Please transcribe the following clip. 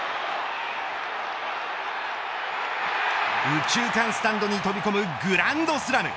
右中間スタンドに飛び込むグランドスラム。